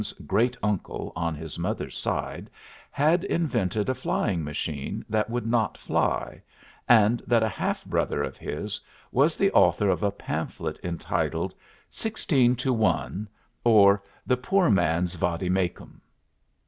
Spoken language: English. M.'s great uncle on his mother's side had invented a flying machine that would not fly, and that a half brother of his was the author of a pamphlet entitled '16 to 1; or the Poor Man's Vade Mecum.'